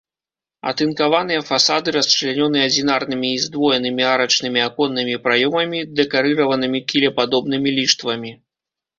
Атынкаваныя фасады расчлянёны адзінарнымі і здвоенымі арачнымі аконнымі праёмамі, дэкарыраванымі кілепадобнымі ліштвамі.